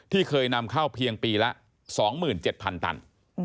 เคยนำเข้าเพียงปีละ๒๗๐๐ตัน